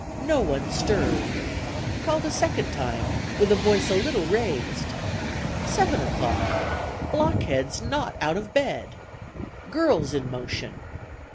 No one stirred. Called a second time, with a voice a little raised. "Seven o'clock. Blockheads not out of bed. Girls in motion.